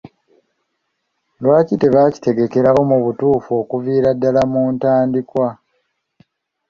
Lwaki tebakitegekerawo mu butuufu okuviira ddaala mu ntandikwa?